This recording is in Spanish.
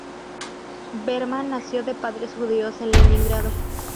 Berman nació de padres judíos en Leningrado.